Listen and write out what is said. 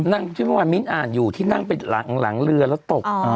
ที่เมื่อวานมิ้นอ่านอยู่ที่นั่งไปหลังเรือแล้วตก